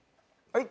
はい。